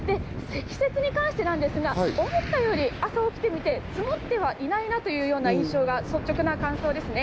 で、積雪に関してですが、思ったより、朝起きてみて積もってはいないなという印象が率直な感想ですね。